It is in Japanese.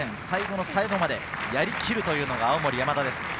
最後の最後までやりきるというのが青森山田です。